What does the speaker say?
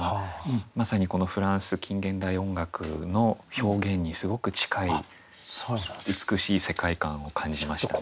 まさにこのフランス近現代音楽の表現にすごく近い美しい世界観を感じました。